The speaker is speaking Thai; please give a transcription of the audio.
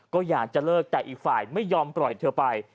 ก็อยากจะเลิกแต่อีกฝ่ายไม่ยอมปล่อยเธอไป